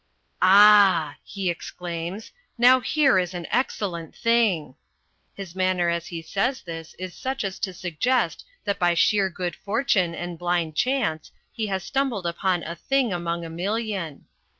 "Ah," he exclaims, "now here is an excellent thing." His manner as he says this is such as to suggest that by sheer good fortune and blind chance he has stumbled upon a thing among a million.